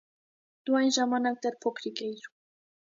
Դու այն ժամանակ դեռ փոքրիկ էիր։